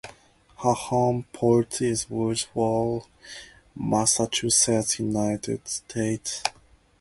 Her home port is Woods Hole, Massachusetts, United States.